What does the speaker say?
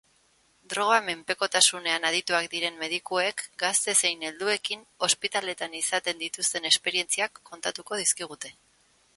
Droga-menpekotasunean adituak diren medikuek gazte zein helduekin ospitaleetan izaten dituzten esperientziak kontatuko dizkigute.